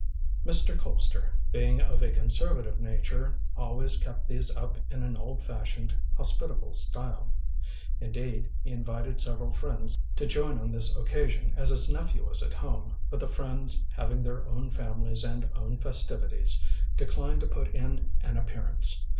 Mr. Colpster, being of a conservative nature, always kept these up in an old fashioned, hospitable style. Indeed, he invited several friends to join on this occasion, as his nephew was at home, but the friends, having their own families and own festivities, declined to put in an appearance.